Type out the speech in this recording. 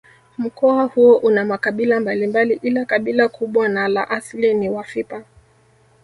Mkoa huo una makabila mbalimbali ila kabila kubwa na la asili ni Wafipa